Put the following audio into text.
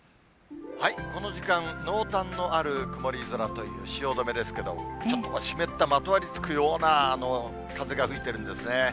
この時間、濃淡のある曇り空という汐留ですけど、ちょっと湿った、まとわりつくような風が吹いてるんですね。